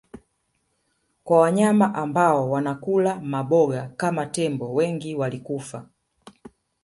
kwa wanyama ambao wanakula maboga kama tembo wengi walikufa